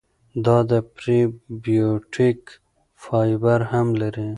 دا د پری بیوټیک فایبر هم لري.